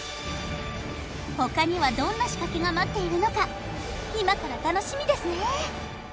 他にはどんな仕掛けが待っているのか今から楽しみですね